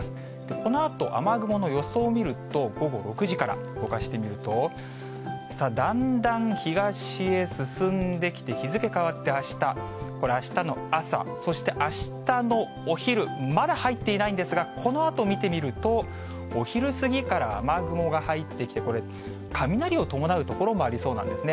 このあと、雨雲の予想を見ると、午後６時から動かしてみると、だんだん東へ進んできて、日付変わってあした、これ、あしたの朝、そしてあしたのお昼、まだ入っていないんですが、このあと見てみると、お昼過ぎから雨雲が入ってきて、これ、雷を伴う所もありそうなんですね。